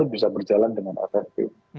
bisa berjalan dengan efektif